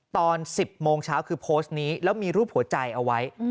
ตอน๑๐โมงเช้าคือโพสต์นี้แล้วมีรูปหัวใจเอาไว้